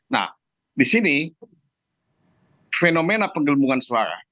nah di sini fenomena penggelembungan suara